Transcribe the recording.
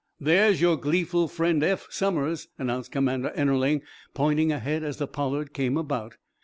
"There's your gleeful friend, Eph Somers," announced Commander Ennerling, pointing ahead as the "Pollard" came about.